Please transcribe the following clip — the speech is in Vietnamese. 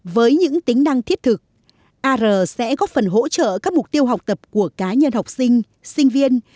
với những tính năng thiết thực ar sẽ góp phần hỗ trợ các mục tiêu học tập của cá nhân học sinh sinh viên